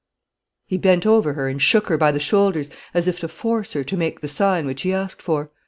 He bent over her and shook her by the shoulders, as if to force her to make the sign which he asked for.